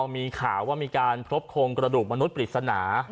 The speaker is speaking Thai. มีข่าวว่ามีการพบโครงกระดูกมนุษย์ปริศนา